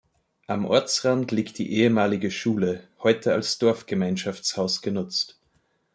Am Ortsrand liegt die ehemalige Schule, heute als Dorfgemeinschaftshaus genutzt.